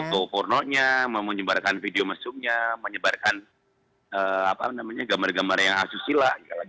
foto pornonya menyebarkan video mesumnya menyebarkan apa namanya gambar gambar yang asusila